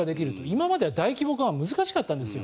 今までは大規模化は難しかったんですよ。